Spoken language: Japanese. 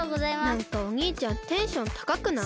なんかおにいちゃんテンションたかくない？